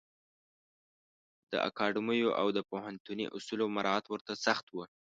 د اکاډمیو او پوهنتوني اصولو مرعات ورته سخت و.